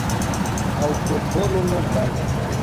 Aŭ proponu novan.